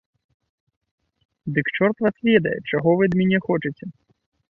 Дык чорт вас ведае, чаго вы ад мяне хочаце!